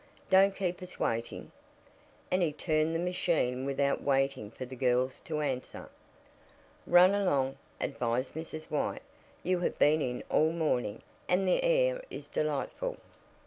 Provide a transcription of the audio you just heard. Don't keep us waiting." And he turned the machine without waiting for the girls to answer. "Run along," advised Mrs. White. "You have been in all morning, and the air is delightful."